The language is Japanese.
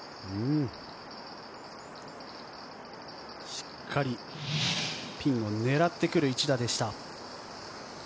しっかりピンを狙ってくる一打でした。